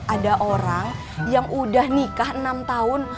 ada orang yang udah nikah enam tahun